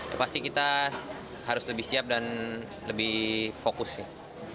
ya pasti kita harus lebih siap dan lebih fokus sih